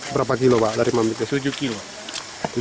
berapa kilo pak dari mambi ke